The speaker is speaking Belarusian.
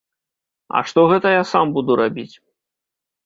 А што гэта я сам буду рабіць?